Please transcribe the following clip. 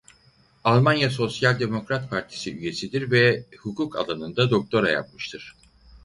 Almanya Sosyal Demokrat Partisi üyesidir ve hukuk alanında doktora yapmıştır.